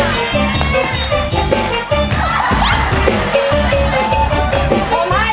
ผมให้สองร้อย